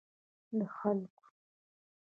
د خلګو